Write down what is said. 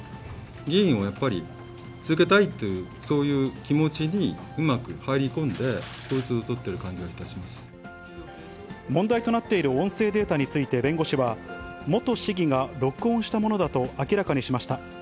議員をやっぱり続けたいというそういう気持ちにうまく入り込んで、問題となっている音声データについて、弁護士は、元市議が録音したものだと明らかにしました。